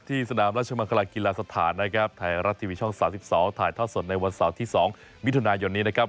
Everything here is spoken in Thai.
ที่สนามราชมาฆาฆิลสถานนะครับไทยรัดทีวีช่อง๓๒ถ่ายท่อส่วนในวันสัปดาห์ที่๒วิทยุนนี้นะครับ